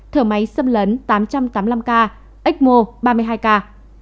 thở máy xâm lấn tám trăm tám mươi năm ca x mo ba mươi hai ca